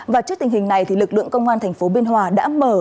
và trước tình hình này thì lực lượng công an tp biên hòa đã mở